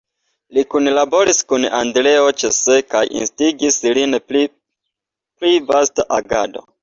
Li kunlaboris kun Andreo Cseh kaj instigis lin pri pli vasta agado.